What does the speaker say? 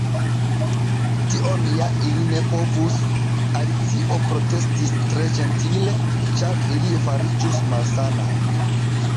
"Tion ja ili ne povus," Alicio protestis tre ĝentile, "ĉar ili fariĝus malsanaj."